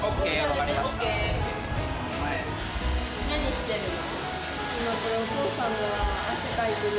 何してるの？